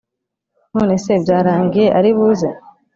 nonese byarangiye ari buze